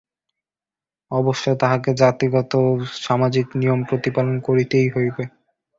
অবশ্য তাহাকে জাতিগত সামাজিক নিয়ম প্রতিপালন করিতেই হইবে।